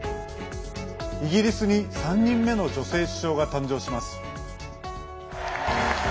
イギリスに３人目の女性首相が誕生します。